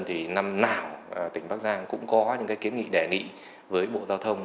thì năm nào tỉnh bắc giang cũng có những kiến nghị đề nghị với bộ giao thông